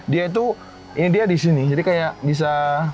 dia itu ini dia di sini jadi kayak bisa